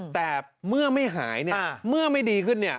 แต่เมื่อไม่หายเนี่ยเมื่อไม่ดีขึ้นเนี่ย